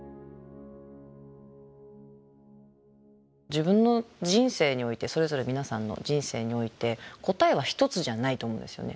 自分の人生においてそれぞれ皆さんの人生において答えは一つじゃないと思うんですよね。